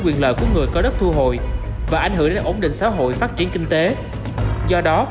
quyền lợi của người có đất thu hồi và ảnh hưởng đến ổn định xã hội phát triển kinh tế do đó